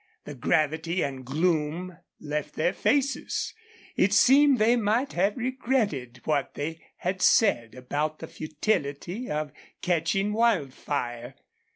The gravity and gloom left their faces. It seemed they might have regretted what they had said about the futility of catching Wildfire.